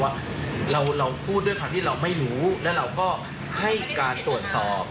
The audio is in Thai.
ว่าเราพูดด้วยความที่เราไม่รู้แล้วเราก็ให้การตรวจสอบ